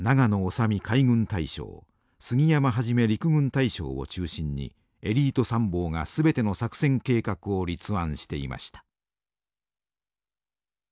修身海軍大将杉山元陸軍大将を中心にエリート参謀がすべての作戦計画を立案していました。